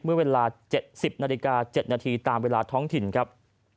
เมื่อเวลา๗๐นาฬิกา๗นาทีตามเวลาท้องถิ่นครับ